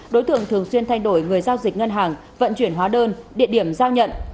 đối tượng thường xuyên thay đổi người giao dịch ngân hàng vận chuyển hóa đơn địa điểm giao nhận